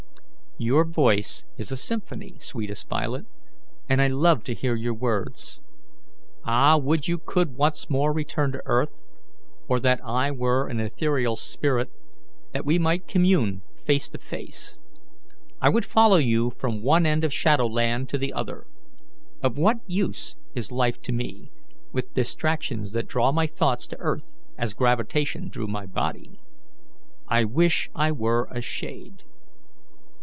"Your voice is a symphony, sweetest Violet, and I love to hear your words. Ah, would you could once more return to earth, or that I were an ethereal spirit, that we might commune face to face! I would follow you from one end of Shadowland to the other. Of what use is life to me, with distractions that draw my thoughts to earth as gravitation drew my body? I wish I were a shade."